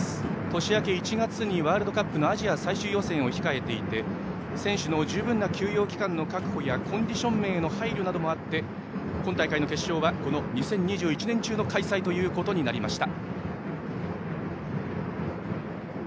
年明け１月にワールドカップのアジア最終予選を控えていて選手の十分な休養期間の確保やコンディション面への配慮などもあって今大会の決勝は２０２１年中の開催となりました。